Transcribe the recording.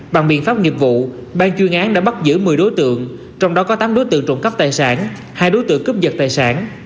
bằng biện pháp nghiệp vụ ban chuyên án đã bắt giữ một mươi đối tượng trong đó có tám đối tượng trộm cắp tài sản hai đối tượng cướp giật tài sản